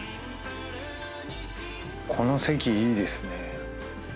この席いいですね。